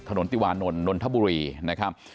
ถนนติวานทนนทรับุ๋รีนะครับ